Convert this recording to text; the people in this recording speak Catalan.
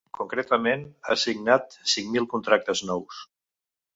Concretament, ha signat cinc mil contractes nous.